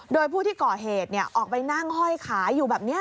โดยผู้ที่ก่อเหตุออกไปนั่งห้อยขายอยู่แบบนี้